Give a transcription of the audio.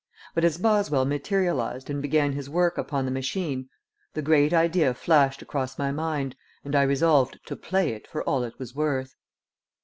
But as Boswell materialized and began his work upon the machine, the great idea flashed across my mind, and I resolved to "play it" for all it was worth.